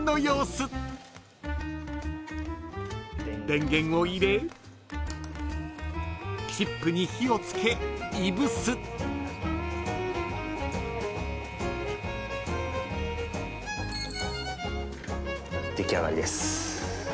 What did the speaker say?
［電源を入れチップに火を付けいぶす］出来上がりです。